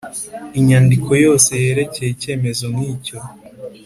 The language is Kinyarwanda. Inyandiko yose yerekeye icyemezo nkicyo